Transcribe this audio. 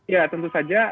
ya tentu saja